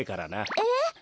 えっ？